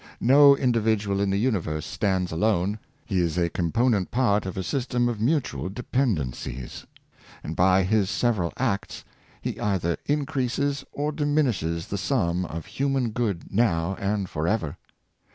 No individual in the uni verse stands alone; he is a component part of a system of mutual dependencies; and by his several acts he either increases or diminishes the sum of human good now and forever.